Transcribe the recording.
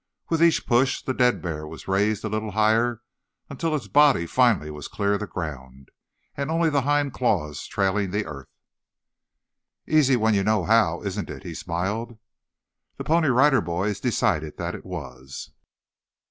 With each push the dead bear was raised a little higher until its body finally was clear of the ground, and only the hind claws trailing the earth. "Easy when you know how, isn't it?" he smiled. The Pony Rider Boys decided that it was.